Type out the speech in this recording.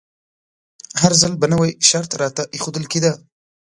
هر ځل به نوی شرط راته ایښودل کیده.